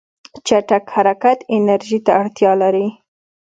چټک حرکت انرژي ته اړتیا لري.